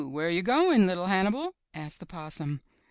Where you goin', LIT Hannibal?" asked the Possum.